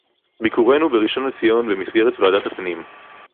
ביקרנו בראשון-לציון במסגרת ועדת הפנים